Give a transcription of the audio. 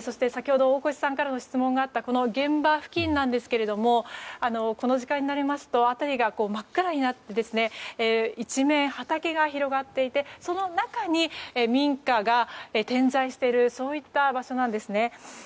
そして、大越さんからの質問があった現場付近ですがこの時間になりますと辺りが真っ暗になって一面畑が広がっていてその中に民家が点在しているそういった場所なんですね。